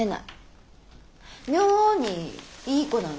妙にいい子なの。